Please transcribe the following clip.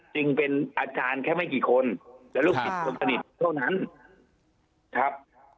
จึงเป็นอาจารย์แค่ไม่กี่คนและลูกศิษย์คนสนิทเท่านั้นครับ